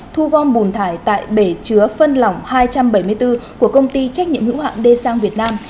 thu gom bùn thải tại bể chứa phân lỏng hai trăm bảy mươi bốn của công ty trách nhiệm hữu hạng d sang việt nam